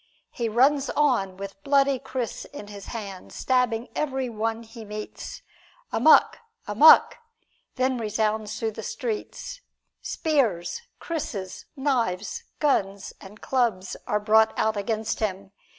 He runs on with bloody kris in his hand, stabbing every one he meets. "Amok! Amok!" then resounds through the streets. Spears, krises, knives, guns and clubs are brought out against him.